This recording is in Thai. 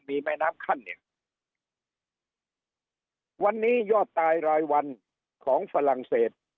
มีแม่น้ำขั้นเนี่ยวันนี้ยอดตายรายวันของฝรั่งเศส